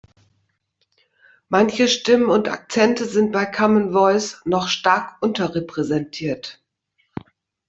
Manche Stimmen und Akzente sind bei Common Voice noch stark unterrepräsentiert.